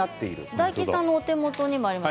大吉さんのお手元にもあります。